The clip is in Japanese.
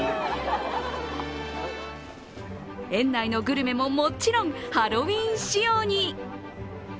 園内のグルメももちろんハロウィーン仕様に。